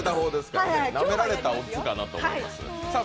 なめられたオッズかなと思います。